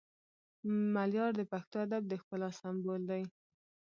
ملیار د پښتو ادب د ښکلا سمبول دی